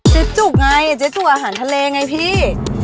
จุกไงเจ๊จุกอาหารทะเลไงพี่